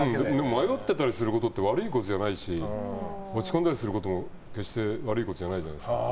迷っていたりすることは悪いことじゃないし落ち込んだりすることも決して悪いことじゃないじゃないですか。